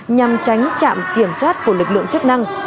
nhằm tránh trạm kiểm soát của lực lượng chức năng